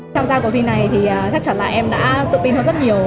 tham gia cuộc thi này thì chắc chắn là em đã tự tin hơn rất nhiều